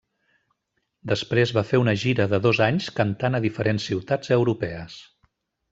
Després va fer una gira de dos anys cantant a diferents ciutats europees.